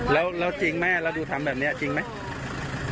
แล้วจริงไหมแล้วดูทำแบบนี้จริงไหมครับ